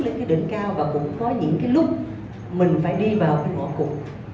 lên cái đỉnh cao và cũng có những cái lúc mình phải đi vào cái ngọn cục